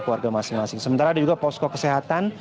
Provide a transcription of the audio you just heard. keluarga masing masing sementara ada juga posko kesehatan